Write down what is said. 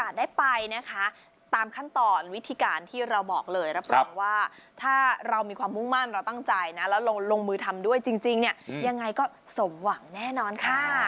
สมหวังกันแทบทุกรายล่ะครับงานนี้